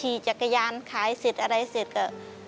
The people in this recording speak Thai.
ขี่จักรยานขายเสร็จอะไรเสร็จก็